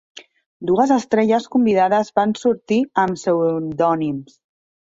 Dues estrelles convidades van sortir amb pseudònims.